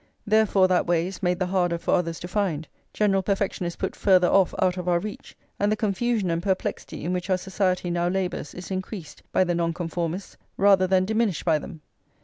Therefore that way is made the harder for others to find, general perfection is put further off out of our reach, and the confusion and perplexity in which our society now labours is increased by the Nonconformists rather than diminished by them.